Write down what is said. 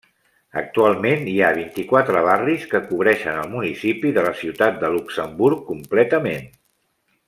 Actualment hi ha vint-i-quatre barris, que cobreixen el municipi de la ciutat de Luxemburg completament.